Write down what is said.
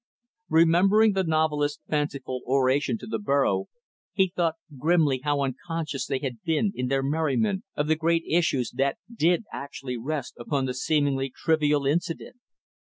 Remembering the novelist's fanciful oration to the burro, he thought grimly how unconscious they had been, in their merriment, of the great issues that did actually rest upon the seemingly trivial incident.